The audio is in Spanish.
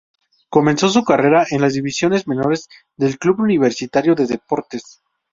Comenzó su carrera en las divisiones menores del Club Universitario de Deportes.